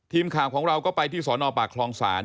ทีมข่าวของเราก็ไปที่สนปากคลองศาล